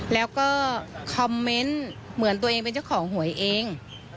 แล้วก็คอมเมนต์เหมือนตัวเองเป็นเจ้าของหวยเอง